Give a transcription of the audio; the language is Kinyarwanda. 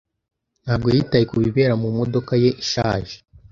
ntabwo yitaye kubibera mumodoka ye ishaje.